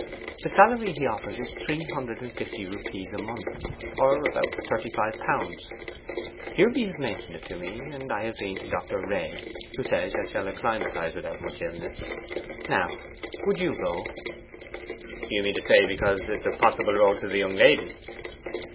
The salary he offers is 350 rupees a month, or about 35 Pounds. Hewby has mentioned it to me, and I have been to Dr. Wray, who says I shall acclimatise without much illness. Now, would you go?' 'You mean to say, because it is a possible road to the young lady.